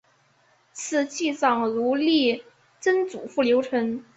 赐祭葬如例曾祖父刘澄。